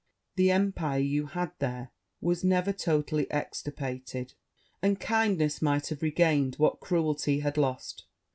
the empire you had there was never totally extirpated; and kindness might have regained what cruelty had lost!'